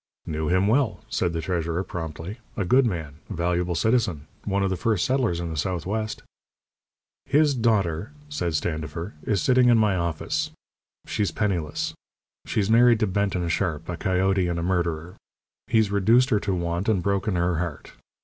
"Knew him well," said the treasurer, promptly. "A good man. A valuable citizen. One of the first settlers in the Southwest." "His daughter," said Standifer, "is sitting in my office. She's penniless. She's married to Benton Sharp, a coyote and a murderer. He's reduced her to want, and broken her heart.